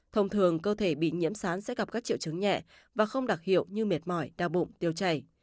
thông thường cơ thể bị nhiễm sán sẽ gặp các triệu chứng nhẹ và không đặc hiệu như mệt mỏi đau bụng tiêu chảy